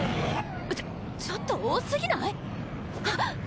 ちょちょっと多すぎない⁉はっ！